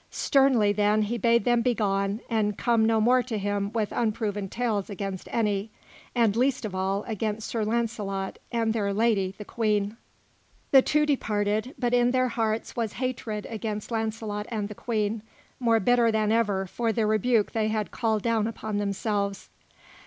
Sternly then he bade them begone and come no more to him with unproven tales against any, and, least of all, against Sir Launcelot and their lady, the Queen. The two departed, but in their hearts was hatred against Launcelot and the Queen, more bitter than ever for the rebuke they had called down upon themselves.